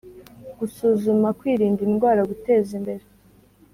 Gusuzuma kwirinda indwara guteza imbere